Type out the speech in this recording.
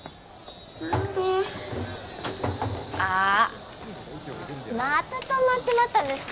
あっまた止まってまったんですか？